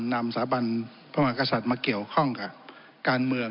สาบันพระมหากษัตริย์มาเกี่ยวข้องกับการเมือง